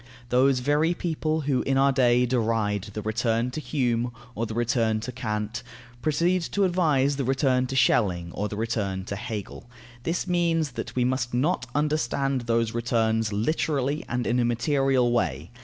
Those very people who in our day deride the "return to Hume" or the "return to Kant," proceed to advise the "return to Schelling," or the "return to Hegel." This means that we must not understand those "returns" literally and in a material way.